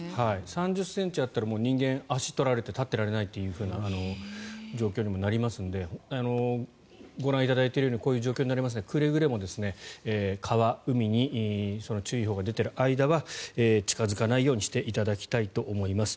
３０ｃｍあったら人間立っていられないという状況にもなりますのでご覧いただいているようにこういう状況になりますのでくれぐれも川、海に注意報が出ている間は近付かないようにしていただきたいと思います。